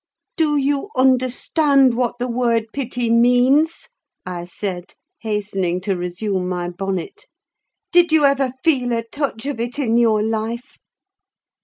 "Do you understand what the word pity means?" I said, hastening to resume my bonnet. "Did you ever feel a touch of it in your life?"